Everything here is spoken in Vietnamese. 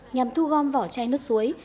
nhằm thu gom vỏ chai nước suối